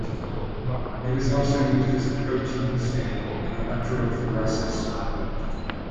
It is also used as a protein stain in electrophoresis.